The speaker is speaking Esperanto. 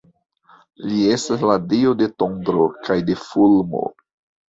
Li estas la dio de tondro kaj de fulmo.